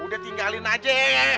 udah tinggalin aja